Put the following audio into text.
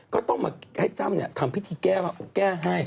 ก็ต้องมาให้จ้ำทำพิธีแก้ให้